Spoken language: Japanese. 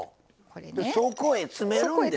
そこへ詰めるんですな！